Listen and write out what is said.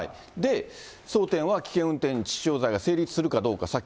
争点は危険運転致死傷罪が成立するかどうか。